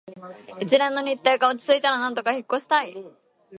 一連の日程が落ち着いたら、なんとか引っ越ししたい